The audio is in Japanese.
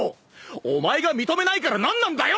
お前が認めないから何なんだよ！